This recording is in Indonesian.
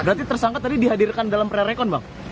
berarti tersangka tadi dihadirkan dalam prarekon bang